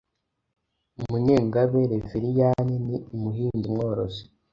Munyengabe Reveriyani ni umuhinzi mworozi